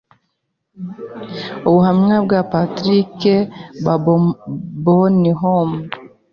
Ubuhamya bwa Patrick Bonhomme,